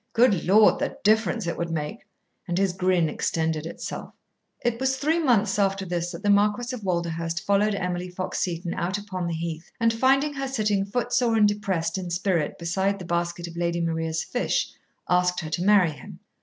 Good Lord! the difference it would make!" and his grin extended itself. It was three months after this that the Marquis of Walderhurst followed Emily Fox Seton out upon the heath, and finding her sitting footsore and depressed in spirit beside the basket of Lady Maria's fish, asked her to marry him.